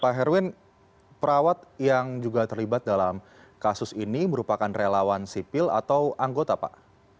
pak herwin perawat yang juga terlibat dalam kasus ini merupakan relawan sipil atau anggota pak